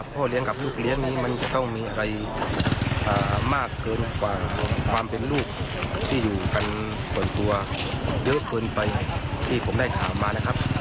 พ่อเลี้ยงกับลูกเลี้ยงนี้มันจะต้องมีอะไรมากเกินกว่าความเป็นลูกที่อยู่กันส่วนตัวเยอะเกินไปที่ผมได้ถามมานะครับ